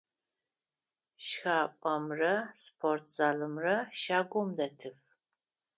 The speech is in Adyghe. Шхапӏэмрэ спортзалымрэ щагум дэтых.